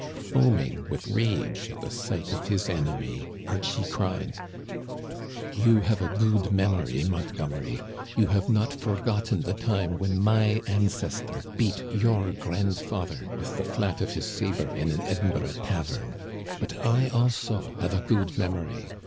Foaming with rage at the sight of his enemy, Archie cried : You have a good memory, Montgomery. You have not forgotten the time when my ancestor beat your grandfather with the flat of his saber in an Edinburgh tavern. But I, also, have a good memory.